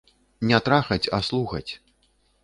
Не трахаць, а слухаць!